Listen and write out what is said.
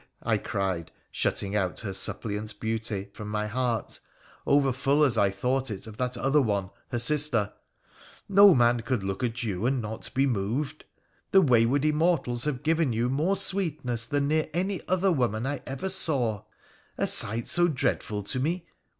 ' I cried, shutting out her suppliant beauty from my heart — overfull, as I thought it, of that other one, her sister —' no man could look at you and not be moved. The wayward Immortals have given you more sweetness than near any other woman I ever saw —" a sight so dreadful to me?"